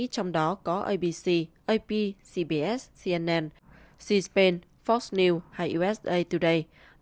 trong đó có abc ap cbs cnn c span fox news hay usa today